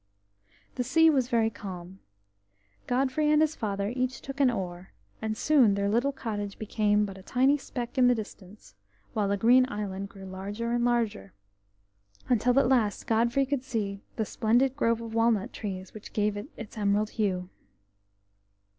The sea was very calm. Godfrey and his father each took an oar, and soon their little cottage became but a tiny speck in the distance, while the Green Island grew larger and larger, until at last Godfrey could see the splendid grove of walnut trees which gave it its emerald hue.